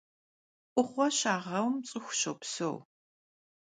'Uğue şağeum ts'ıxu şopseu.